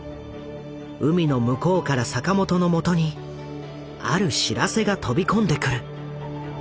海の向こうから坂本の元にある知らせが飛び込んでくる。